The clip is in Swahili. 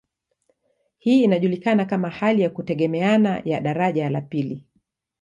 Hii inajulikana kama hali ya kutegemeana ya daraja la pili.